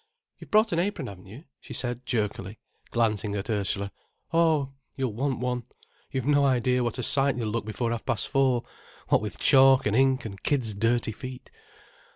"You've brought an apron, haven't you?" she said jerkily, glancing at Ursula. "Oh—you'll want one. You've no idea what a sight you'll look before half past four, what with chalk and ink and kids' dirty feet.